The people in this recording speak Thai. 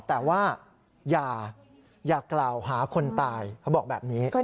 แต่ว่าอย่ากล่าวหาคนตายเขาบอกแบบนี้